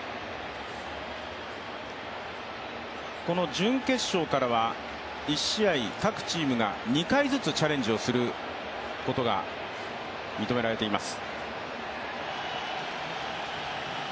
準決勝からは１試合各チームが２回ずつチャレンジをすることが認められています。